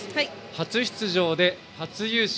初出場で初優勝。